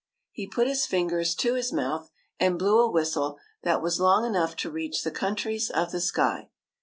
He put his fingers to his mouth and blew a whistle that was long enough to reach the countries of the sky.